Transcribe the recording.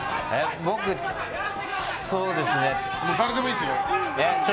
誰でもいいですよ。